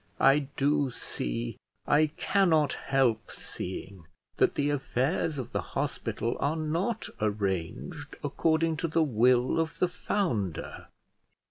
I do see I cannot help seeing, that the affairs of the hospital are not arranged according to the will of the founder."